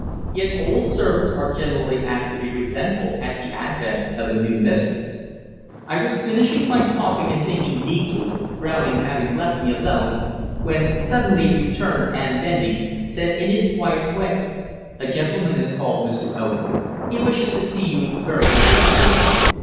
Yet old servants are generally apt to be resentful at the advent of a new mistress. I was finishing my coffee and thinking deeply, Browning having left me alone, when suddenly he returned, and, bending, said in his quiet way "A gentleman has called, Mr. Owen. He wishes to see you very particularly."